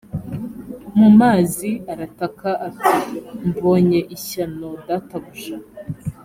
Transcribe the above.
mu mazi arataka ati mbonye ishyano databuja